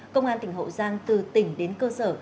công an tỉnh hậu giang từ tỉnh đến cơ sở